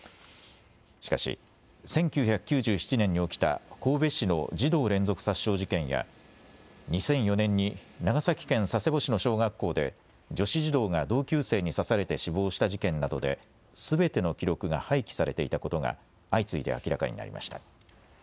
しかし１９９７年に起きた神戸市の児童連続殺傷事件や、２００４年に長崎県佐世保市の小学校で女子児童が同級生に刺されて死亡した事件などですべての記録が廃棄されていたことが相次いで明らかになりました。